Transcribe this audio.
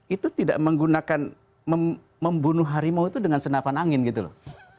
itu tidak menggunakan membunuh harimau itu dengan senapan angin gitu loh